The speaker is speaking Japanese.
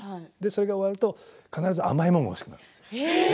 それが終わると必ず甘いものが欲しくなるんです。